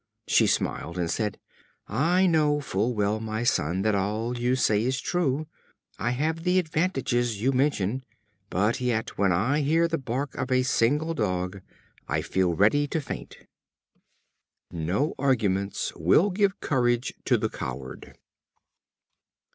She smiled, and said: "I know full well, my son, that all you say is true. I have the advantages you mention, but yet when I hear the bark of a single dog I feel ready to faint." No arguments will give courage to the coward.